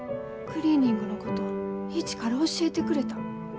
クリーニングのこと一から教えてくれた。